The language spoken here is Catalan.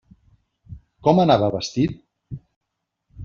Com anava vestit?